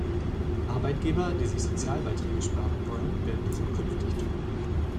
Arbeitgeber, die sich Sozialbeiträge sparen wollen, werden dies auch künftig tun.